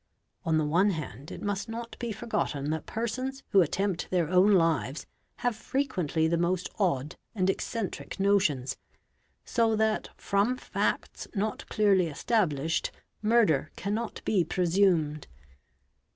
On the one hand it must not be forgotten that persons who attempt their own lives have frequently the most odd and eccentric notions, so that from facts not clearly established murder cannot be presumed.